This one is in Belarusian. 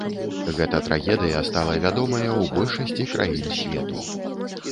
Гэта трагедыя стала вядомая ў большасці краін свету.